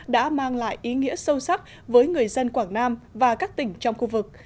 đã mang lại ý nghĩa sâu sắc với người dân quảng nam và các tỉnh trong khu vực